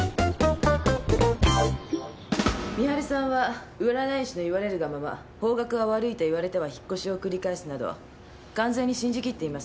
美晴さんは占い師の言われるがまま方角が悪いと言われては引っ越しを繰り返すなど完全に信じ切っています。